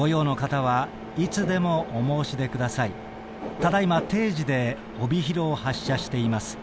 ただいま定時で帯広を発車しています。